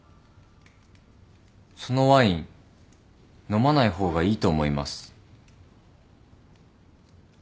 そのワイン飲まない方がいいと思います。